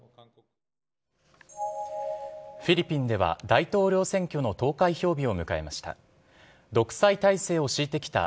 フィリピンでは大統領選挙の投開票日を迎えました。